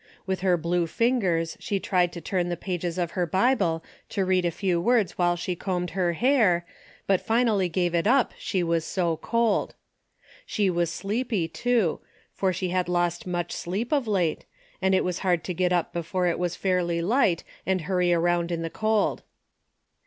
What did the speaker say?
With her blue fingers she tried to turn the pages of her Bible to read a few words while she combed her hair, but 68 DAILY BATE:'> 69 finally gave it up she was so cold. She was sleepy, too, for she had lost much sleep of late, and it was hard to get up before it was fairly light and hurry around in the cold.